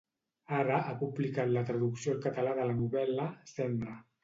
Ara ha publicat la traducció al català de la novel·la, "Cendra".